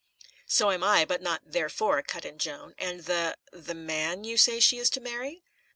"So am I, but not 'therefore,'" cut in Joan. "And the the man you say she is to marry?"